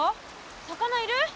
魚いる？